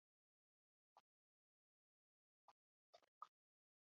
Oxir- oqibat, yolg‘izlik joniga tegadi.